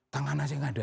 tangan asing ada